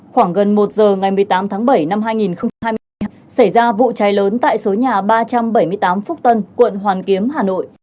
khoảng gần một giờ ngày một mươi tám tháng bảy năm hai nghìn hai mươi xảy ra vụ cháy lớn tại số nhà ba trăm bảy mươi tám phúc tân quận hoàn kiếm hà nội